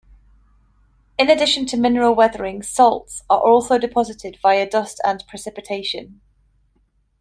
In addition to mineral weathering, salts are also deposited via dust and precipitation.